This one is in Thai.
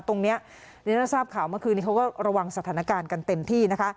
ตรงนี้เรียนทราบข่าวเมื่อคืนนี้เขาก็ระวังสถานการณ์กันเต็มที่นะคะ